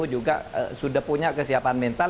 juga sudah punya kesiapan mental